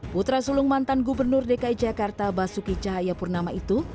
putra sulung mantan gubernur dki jakarta basuki cahayapurnama itu